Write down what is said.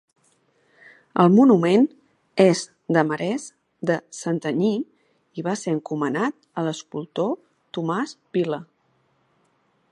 El monument és de marès de Santanyí i va ser encomanat a l'escultor Tomàs Vila.